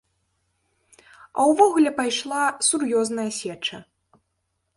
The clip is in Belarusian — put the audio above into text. А ўвогуле пайшла сур'ёзная сеча.